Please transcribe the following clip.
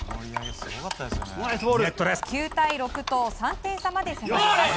９対６と３点差まで迫ります。